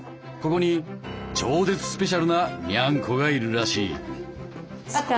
ここに超絶スペシャルなニャンコがいるらしい。